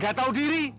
gak tau diri